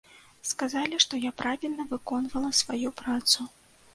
Сказалі, што я правільна выконвала сваю працу.